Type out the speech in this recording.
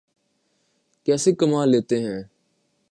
کیسے کما لیتے ہیں؟